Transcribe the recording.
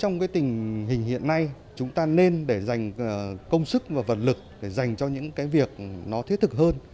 trong cái tình hình hiện nay chúng ta nên để dành công sức và vận lực để dành cho những cái việc nó thiết thực hơn